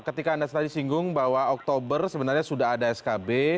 ketika anda tadi singgung bahwa oktober sebenarnya sudah ada skb